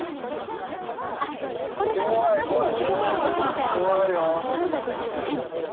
あっこれから話を聞くことは全てファンタジーですねみたいな。